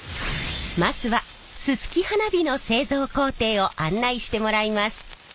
まずはすすき花火の製造工程を案内してもらいます。